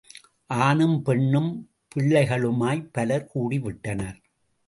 ஆணும் பெண்ணும் பிள்ளைகளுமாய் பலர் கூடிவிட்டனர்.